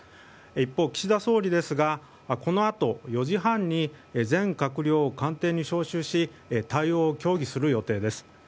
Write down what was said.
一方、岸田総理ですがこのあと４時半に全閣僚を官邸に招集し対応を協議する予定です。